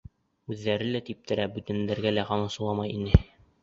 Үҙҙәре лә типтерә, бүтәндәргә лә ҡамасауламайҙар ине.